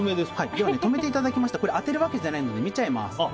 止めていただきましたがこれは当てるわけじゃないので見ちゃいます。